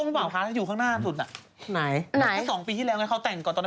หัวกลุกว่าซ่อม